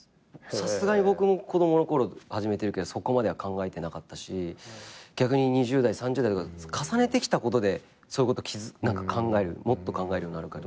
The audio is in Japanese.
さすがに僕も子供のころ始めてるけどそこまでは考えてなかったし逆に２０代３０代重ねてきたことでそういうこと考えるもっと考えるようになるけど。